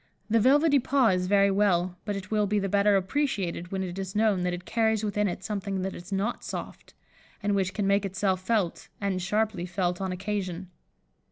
The velvety paw is very well, but it will be the better appreciated when it is known that it carries within it something that is not soft, and which can make itself felt, and sharply felt, on occasion.